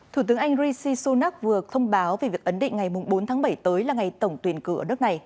thủ tướng anh rishi sunak vừa thông báo về việc ấn định ngày bốn tháng bảy tới là ngày tổng tuyển cử ở nước này